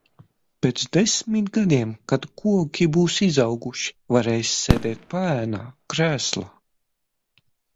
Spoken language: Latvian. Pēc desmit gadiem kad koki būs izauguši, varēsi sēdēt paēnā, krēslā.